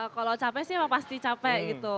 kalau capek sih emang pasti capek gitu